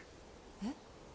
えっ？